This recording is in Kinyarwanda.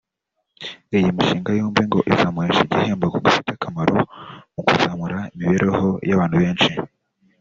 Iyi mishinga yombi ngo izamuhesha igihembo kuko ifite akamaro mu kuzamura imibereho y’abantu benshi